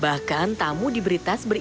bahkan tamu diberi tas berisi kondisi kondisi